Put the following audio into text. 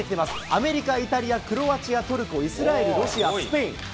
アメリカ、イタリア、クロアチア、トルコ、ロシア、イスラエル、スペイン。